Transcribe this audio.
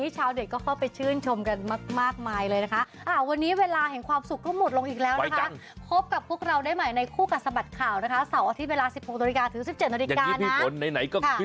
ช่วยขยับรถทียังมี๓คันบรุงเทพมหานคร